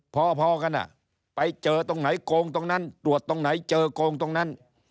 พอกันไปเจอตรงไหนโกงตรงนั้นตรวจตรงไหนเจอโกงตรงนั้น